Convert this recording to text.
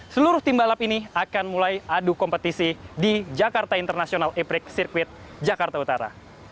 seluruh tim balap ini akan mulai adu kompetisi di jakarta international e prix circuit jakarta utara